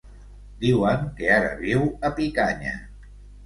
Diuen que ara viu a Picanya.